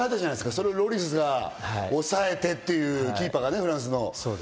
それをロリスが抑えて、キーパーがね、フランスの。